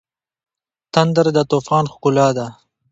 تندر د طوفان ښکلا ده.